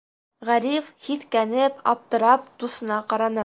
Ғариф, һиҫкәнеп, аптырап, дуҫына ҡараны.